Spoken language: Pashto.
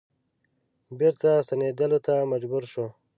بیرته ستنیدلو ته مجبور شو.